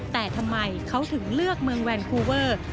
แต่ทำไมเขาถึงเลือกเมืองแวนคูเวอร์